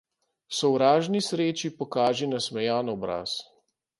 Sovražni sreči pokaži nasmejan obraz.